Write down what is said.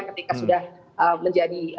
ketika sudah menjadi